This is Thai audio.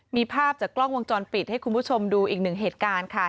มีภาพจากกล้องวงจรปิดให้คุณผู้ชมดูอีกหนึ่งเหตุการณ์ค่ะ